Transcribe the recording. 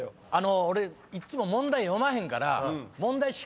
俺いっつも問題読まへんから。